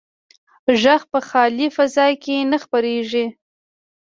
غږ په خالي فضا کې نه خپرېږي.